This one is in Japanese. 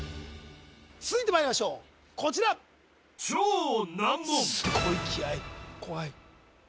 続いてまいりましょうこちらすごい気合い怖い